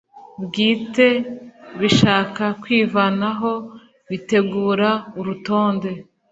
bwite bishaka kwivanaho bitegura urutonde